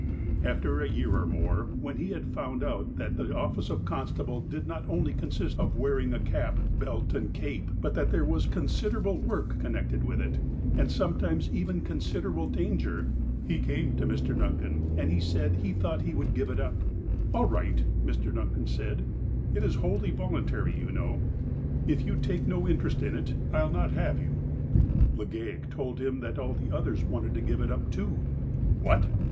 After a year or more, when he had found out that the office of constable did not only consist of wearing a cax), belt and cape, but that there was considerable work connected with it, and sometimes even considerable danger, he came to Mr. Duncan and said he thought he would give it up. "All right," Mr. Duncan said. "It is wholly volun tary, you know. If you take no interest in it, I'll not have you." Legale told him that all the others wanted to give it up too. "What!"